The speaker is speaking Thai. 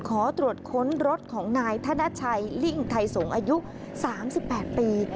ขอตรวจค้นรถของนายธนชัยลิ่งไทยสงศ์อายุ๓๘ปี